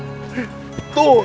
ayo duduk sini